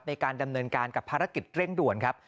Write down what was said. ในการดำเนินการกับภารกิจเร่งด่วนครับ